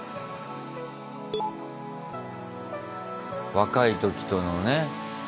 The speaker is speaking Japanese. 若い時とのね。